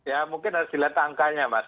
ya mungkin harus dilihat angkanya mas